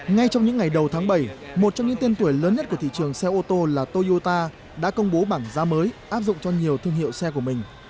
ngay trong những ngày đầu tháng bảy một trong những tên tuổi lớn nhất của thị trường xe ô tô là toyota đã công bố bảng giá mới áp dụng cho nhiều thương hiệu xe của mình